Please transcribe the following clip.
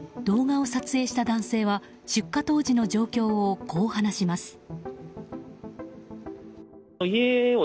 動画を撮影した男性は出火当時の状況をこう話します。